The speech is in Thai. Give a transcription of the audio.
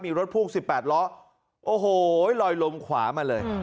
มีรถพ่วง๑๘ล้อโอ้โหลอยลมขวามาเลย